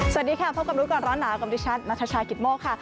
สวัสดีค่ะพบกับรู้ก่อนร้อนหนาวกับดิฉันนัทชายกิตโมกค่ะ